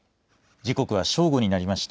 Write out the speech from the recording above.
時刻は正午になりました。